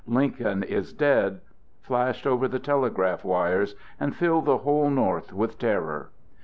Lincoln is dead!" flashed over the telegraph wires and filled the whole North with terror.